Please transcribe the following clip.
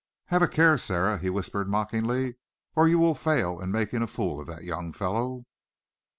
"Have a care, Sara," he whispered, mockingly, "or you will fail in making a fool of that young fellow!"